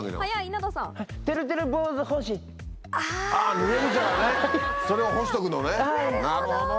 なるほど。